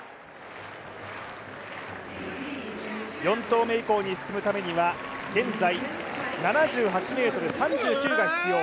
４投目以降に進むためには７８ｍ３９が必要。